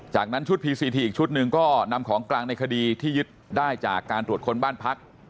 จากนั้นชุดพีซีทีอีกชุดหนึ่งก็นำของกลางในคดีที่ยึดได้จากการตรวจค้นบ้านพัก